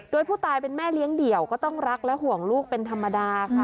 โดยผู้ตายเป็นแม่เลี้ยงเดี่ยวก็ต้องรักและห่วงลูกเป็นธรรมดาค่ะ